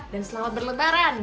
dan selamat berlebaran